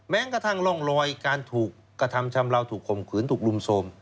กระทั่งร่องรอยการถูกกระทำชำราวถูกข่มขืนถูกรุมโทรม